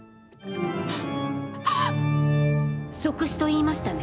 即死と言いましたね？